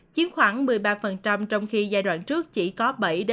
khi giai đoạn trước chỉ có bảy tám